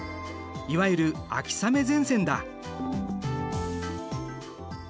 いわゆる秋雨前線だ。